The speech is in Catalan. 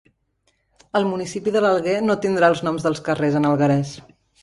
El municipi de l'Alguer no tindrà els noms dels carrers en alguerès